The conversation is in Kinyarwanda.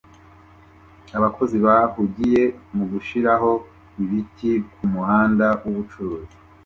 Abakozi bahugiye mu gushiraho ibiti kumuhanda wubucuruzi